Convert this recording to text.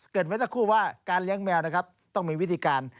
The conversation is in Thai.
เกิดไว้แต่คู่ว่าการเลี้ยงแมวนะครับต้องมีวิธีการ